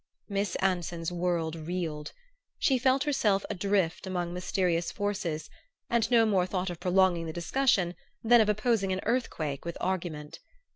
Miss Anson's world reeled. She felt herself adrift among mysterious forces, and no more thought of prolonging the discussion than of opposing an earthquake with argument.